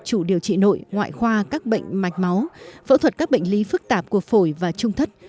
chủ điều trị nội ngoại khoa các bệnh mạch máu phẫu thuật các bệnh lý phức tạp của phổi và trung thất